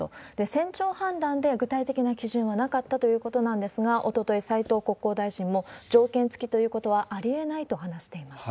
船長判断で具体的な基準はなかったということなんですが、おととい、斉藤国交大臣も、条件付きということはありえないと話しています。